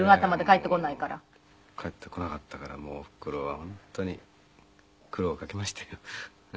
帰ってこなかったからもうおふくろは本当に苦労をかけましたよ。